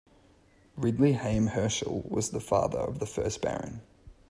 Ridley Haim Herschell was the father of the first Baron.